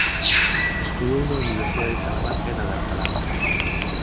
Estudou na Universidade de Salamanca e na de Alcalá.